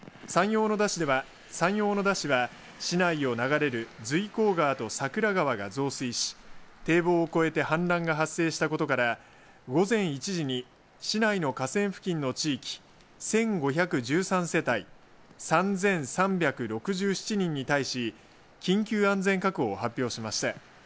山陽小野田市は市内を流れる随光川と桜川が増水し堤防を越えて氾濫が発生したことから午前１時に市内の河川付近の地域１５１３世帯３３６７人に対し緊急安全確保を発表しました。